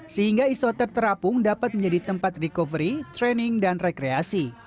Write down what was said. sehingga isoter terapung dapat menjadi tempat recovery training dan rekreasi